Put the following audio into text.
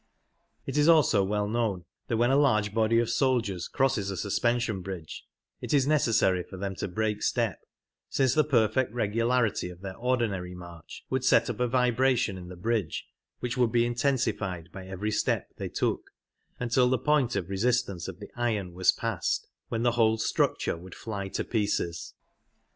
It is also well known that when a large body of soldiers crosses a suspension bridge it is 9^ necessary for them to break step, since the perfect regularity of their ordinary march would set up a vibration in the bridge which would be intensified by every step they took, until the point of resistance of the iron was passed, when the whole structure would fly to pieces.